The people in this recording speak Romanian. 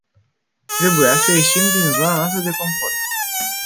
Trebuia să ieșim din zona noastră de confort.